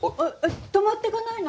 泊まってかないの？